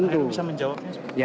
pak herwi bisa menjawabnya